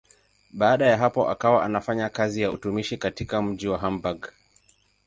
Baada ya hapo akawa anafanya kazi ya utumishi katika mji wa Hamburg.